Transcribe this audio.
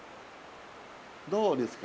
どうですか？